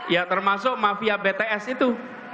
ya termasuk mafia bts itu